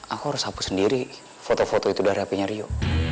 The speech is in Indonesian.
aku harus hapus sendiri foto foto itu udah rapinya rio